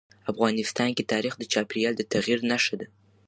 افغانستان کې تاریخ د چاپېریال د تغیر نښه ده.